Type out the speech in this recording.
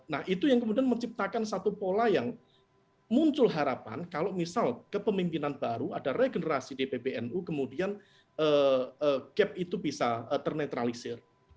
nah itu yang kemudian menciptakan satu pola yang muncul harapan kalau misal kepemimpinan baru ada regenerasi di pbnu kemudian gap itu bisa ternetralisir